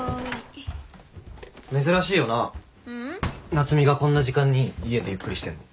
夏海がこんな時間に家でゆっくりしてんの。